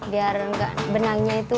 biar enggak benang benangnya itu mas